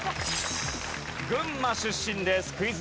群馬出身です。